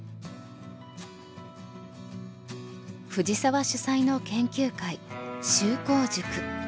藤沢主宰の研究会秀行塾。